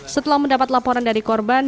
setelah mendapat laporan dari korban